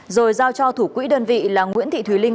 rồi giao cho thủ quỹ đơn vị là nguyễn thị thùy linh